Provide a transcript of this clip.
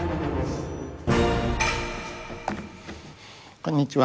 こんにちは。